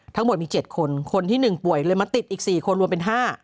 ทั้งหมดมี๗คนคนที่๑ป่วยเลยมาติดอีก๔คนรวมเป็น๕